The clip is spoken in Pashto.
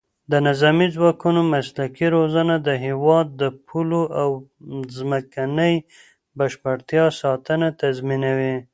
د نظامي ځواکونو مسلکي روزنه د هېواد د پولو او ځمکنۍ بشپړتیا ساتنه تضمینوي.